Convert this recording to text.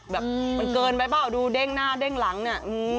แบบมันเกินไปเปล่าดูเด้งหน้าเด้งหลังเนี่ย